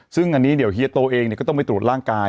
ซึ่งอันนี้เดี๋ยวเฮียโตเองก็ต้องไปตรวจร่างกาย